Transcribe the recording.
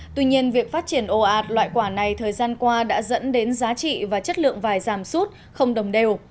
tuy nhiên việc phát triển ồ ạt loại quả này thời gian qua đã dẫn đến giá trị và chất lượng vải giảm sút không đồng đều